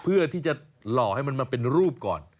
เพื่อที่จะหล่อให้มันมาเป็นรูปก่อน